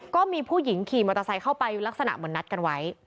ก็มีผู้หญิงขี่มอเตอร์ไซค์เข้าไปลักษณะเหมือนนัดกันไว้